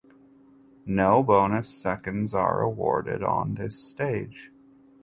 No bonus seconds are awarded on this stage.